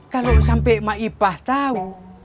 kalau sampai maipah tahu